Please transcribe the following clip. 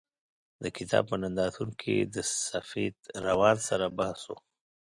د کتاب په نندارتون کې د سفید روان سره بحث و.